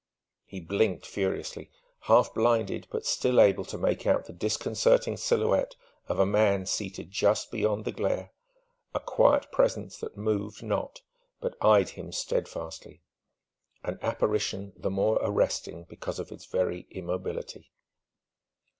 He blinked furiously, half blinded but still able to make out the disconcerting silhouette of a man seated just beyond the glare: a quiet presence that moved not but eyed him steadfastly; an apparition the more arresting because of its very immobility.